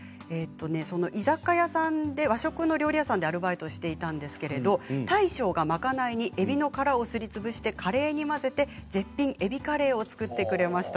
居酒屋さんで和食の料理屋さんでアルバイトしていたんですけれど大将が賄いにえびの殻をすりつぶしてカレーに混ぜて絶品えびカレーを作ってくれました。